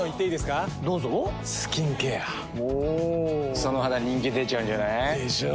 その肌人気出ちゃうんじゃない？でしょう。